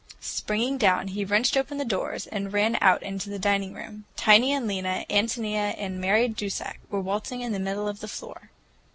Springing down, he wrenched open the doors and ran out into the dining room. Tiny and Lena, Ántonia and Mary Dusak, were waltzing in the middle of the floor.